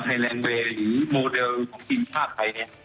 ไทยแลนด์เวย์หรือโมเดลฯของทีมภาพไทยนี่